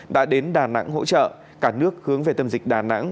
đã đến đà nẵng hỗ trợ cả nước hướng về tâm dịch đà nẵng